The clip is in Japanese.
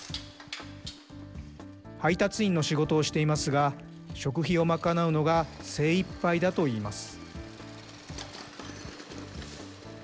配達員の仕事をしていますが、食費を賄うのが精いっぱいだといいます。